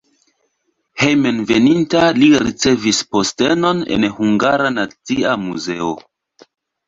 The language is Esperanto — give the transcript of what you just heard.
Hejmenveninta li ricevis postenon en Hungara Nacia Muzeo.